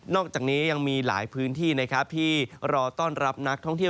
อกจากนี้ยังมีหลายพื้นที่นะครับที่รอต้อนรับนักท่องเที่ยว